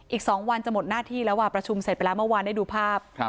อีก๒วันจะหมดหน้าที่แล้วประชุมเสร็จไปแล้วเมื่อวานได้ดูภาพ